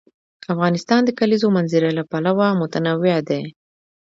افغانستان د د کلیزو منظره له پلوه متنوع دی.